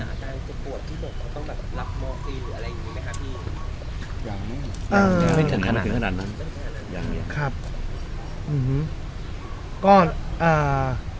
อ่าไม่ถึงขนาดนั้นอย่างนี้ครับอื้อหือก็อ่า